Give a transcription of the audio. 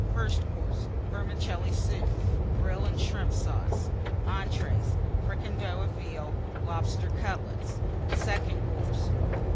FIRST COURSE. Vermicelli Soup. Brill and Shrimp Sauce. ENTREES. Fricandeau of Veal. Lobster Cutlets. SECOND COURSE.